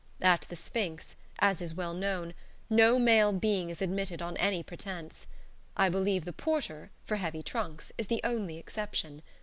At "The Sphinx," as is well known, no male being is admitted on any pretence. I believe the porter (for heavy trunks) is the only exception.